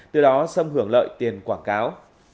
từ đó xâm hưởng lợi tiền quảng cáo